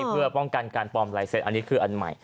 เพื่อป้องกันการปลอมลายเซ็นต์อันนี้คืออันใหม่